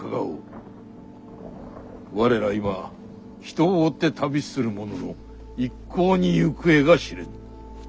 我ら今人を追って旅するものの一向に行方が知れぬ。